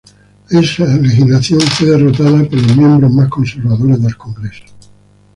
Esta legislación fue derrotada por los miembros más conservadores del Congreso.